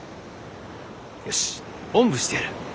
よしおんぶしてやる。